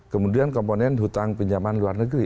kemudian komponen hutang pinjaman luar negeri